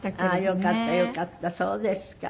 よかったよかったそうですか。